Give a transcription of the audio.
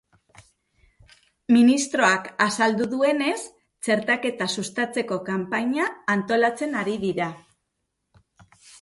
Ministroak azaldu duenez, txertaketa sustatzeko kanpaina antolatzen ari dira.